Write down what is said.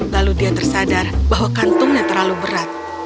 lalu dia tersadar bahwa kantungnya terlalu berat